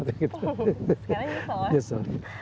sekarang nyesel ya